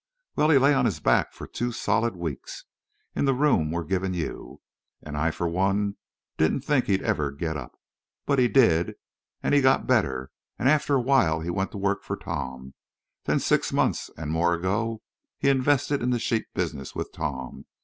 Well, he lay on his back for two solid weeks—in the room we're givin' you. An' I for one didn't think he'd ever get up. But he did. An' he got better. An' after a while he went to work for Tom. Then six months an' more ago he invested in the sheep business with Tom.